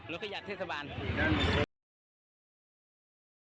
รถขยะเทศบาล